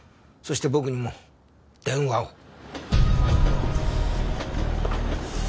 そして僕にも電話を。